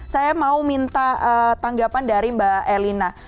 saya mau minta tanggapan dari mbak elina